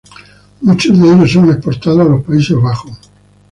Muchos de ellos son exportados a los Países Bajos.